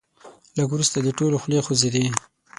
لږ وروسته د ټولو خولې خوځېدې.